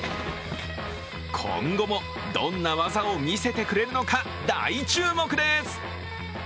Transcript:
今後もどんな技をみせてくれるのか大注目です。